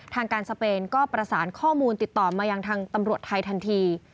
ทางการสเปนก็ประสานข้อมูลติดต่อมายังทางตำรวจไทยทันที